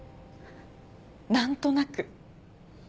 何となく？